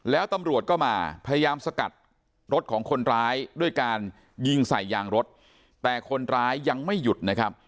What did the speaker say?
แล้วตำรวจก็มาพยายามสกัดรถของคนร้ายด้วยการยิงใส่ยางรถแต่คนร้ายยังไม่หยุดนะครับ